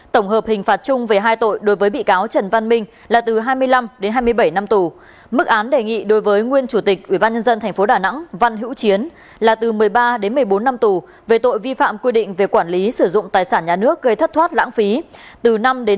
tổng hợp hình phạt chung về hai tội đối với bị cáo văn hữu chiến là từ một mươi tám đến hai mươi năm tù